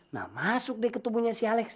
nah masuk deh ketubuhnya si alex